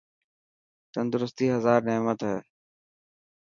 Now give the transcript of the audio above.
تندرستي هزار نعمت هي.